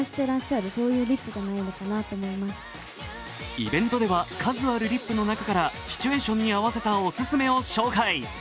イベントでは、数あるリップの中からシチュエーションに合わせたお勧めを紹介。